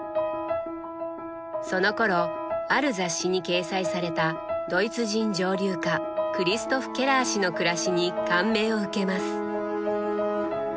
そのころある雑誌に掲載されたドイツ人蒸留家クリストフ・ケラー氏の暮らしに感銘を受けます。